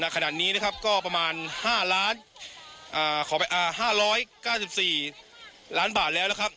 ขณะนี้นะครับก็ประมาณ๕๙๔ล้านบาทแล้วนะครับ